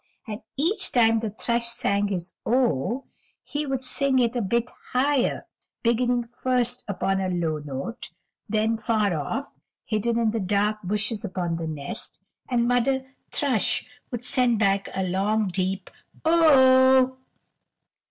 And each time the thrush sang his "Oh" he would sing it a bit higher, beginning first upon a low note. Then far off, hidden in the dark bushes upon the nest, the mother thrush would send back a long, deep "O h."